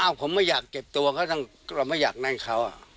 อ้าวผมไม่อยากเก็บตัวเพราะฉะนั้นผมไม่อยากนั่งเขา